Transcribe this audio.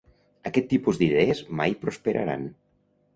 Aquest tipus d’idees mai prosperaran.